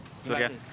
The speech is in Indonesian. terima kasih pak ketut